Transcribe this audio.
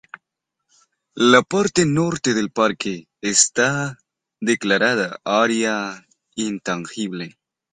La parte norte del Parque está declarada área intangible.